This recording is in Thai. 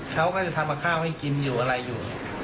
เขาก็จะทำกับข้าวให้กินอยู่อะไรอยู่